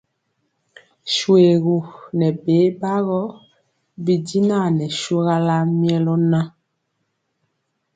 Shoégu nɛ bɛbagɔ bijinan nɛ shogala milœ nan.